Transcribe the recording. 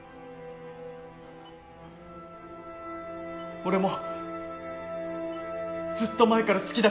俺もずっと前から好きだった。